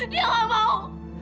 dia gak mau